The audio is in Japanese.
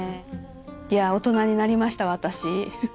いや大人になりました私。